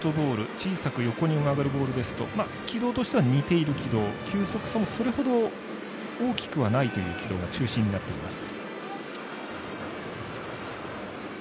小さく横のボールですと軌道としては似ている軌道変化もそれほど大きくはないという軌道が中心になっています。